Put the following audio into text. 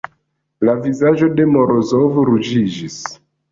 La vizaĝo de Morozov ruĝiĝis.